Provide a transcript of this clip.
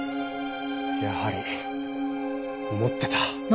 やはり持ってた。